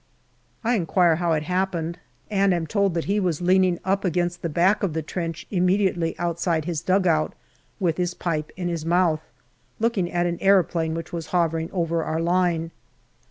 I inquire how it happened, and am told that he was leaning up against the back of the trench immediately outside his dugout, with his pipe in his mouth, looking at an aeroplane which was hovering over our line.